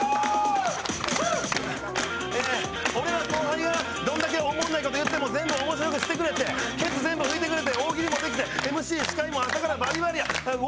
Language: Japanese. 俺がどんだけおもんないこと言っても全部面白くしてくれてケツ全部拭いてくれて大喜利もできてＭＣ２人も朝からバリバリや。